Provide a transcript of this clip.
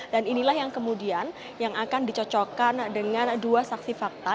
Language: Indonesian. dan inilah yang kemudian yang akan dicocokkan dengan dua saksi fakta